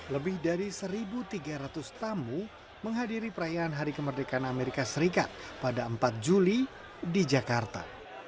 lebih dari satu tiga ratus tamu menghadiri perayaan hari kemerdekaan amerika serikat pada empat juli di jakarta